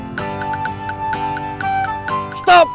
bukan kamu masih capek